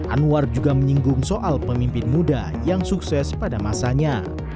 anwar juga menyinggung soal pemimpin muda yang sukses pada masanya